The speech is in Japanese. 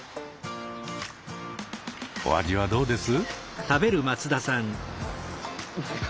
お味はどうです？